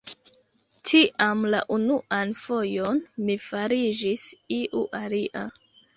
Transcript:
Tiam la unuan fojon mi fariĝis iu alia.